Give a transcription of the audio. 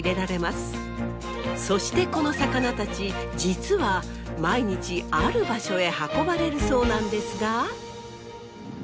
そしてこの魚たち実は毎日ある場所へ運ばれるそうなんですが。